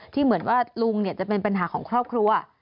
เหมือนว่าลุงจะเป็นปัญหาของครอบครัว